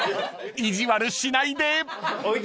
［意地悪しないで！］